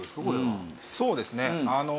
そうですね。